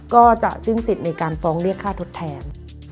ก็จะสิ้นสิทธิ์ในการฟ้องเรียกค่าทดแทน